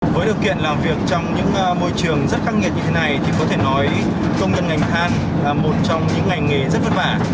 với điều kiện làm việc trong những môi trường rất khắc nghiệt như thế này thì có thể nói công nhân ngành than là một trong những ngành nghề rất vất vả